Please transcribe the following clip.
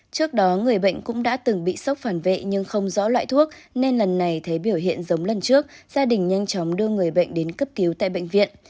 trước đó người bệnh cũng đã từng bị sốc phản vệ nhưng không rõ loại thuốc nên lần này thấy biểu hiện giống lần trước gia đình nhanh chóng đưa người bệnh đến cấp cứu tại bệnh viện